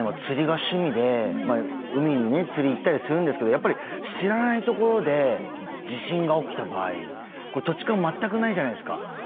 釣りが趣味で海にね釣りに行ったりするんですけどやっぱり知らないところで地震が起きた場合これ土地勘全くないじゃないですか。